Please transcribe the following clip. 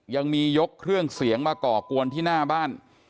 ยังมียกเครื่องเสียงมาก่อกวนที่หน้าบ้าน